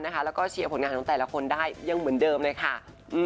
แล้วก็เชียร์ผลงานของแต่ละคนได้ยังเหมือนเดิมเลยค่ะ